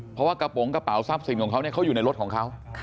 เพราะว่ากระโปรงกระเป๋าทรัพย์สินของเขาเขาอยู่ในรถของเขา